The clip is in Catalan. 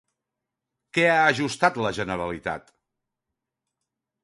Què ha ajustat la Generalitat?